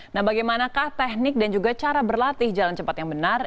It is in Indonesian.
nah bagaimanakah teknik dan juga cara berlatih jalan cepat yang benar